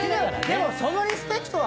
でもそのリスペクトは。